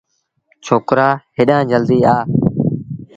ڇوڪرآ هيڏآن جلديٚ آ۔